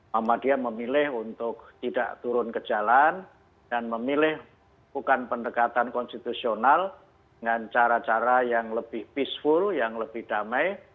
muhammadiyah memilih untuk tidak turun ke jalan dan memilih bukan pendekatan konstitusional dengan cara cara yang lebih peaceful yang lebih damai